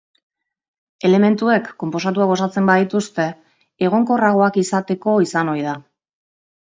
Elementuek konposatuak osatzen badituzte, egonkorragoak izateko izan ohi da.